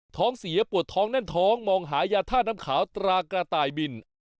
ท้องเสียปวดท้องแน่นท้องมองหายาท่าน้ำขาวตรากระต่ายบิน